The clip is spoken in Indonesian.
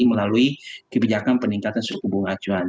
melalui kebijakan peningkatan suku bunga acuan